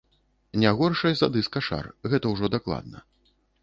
Не горшай за дыска-шар, гэта ўжо дакладна.